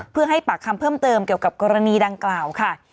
เพื่อให้ปากคำเพิ่มเติมเกี่ยวกับกรณีดังกล่าวค่ะ